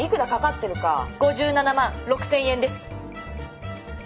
５７万６，０００円です。